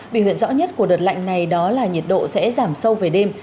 vì huyện rõ nhất của đợt lạnh này đó là nhiệt độ sẽ giảm sâu về đêm